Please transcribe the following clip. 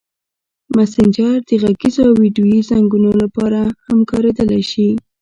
مسېنجر د غږیزو او ویډیويي زنګونو لپاره هم کارېدلی شي.